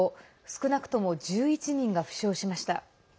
少なくとも１１人が負傷しました。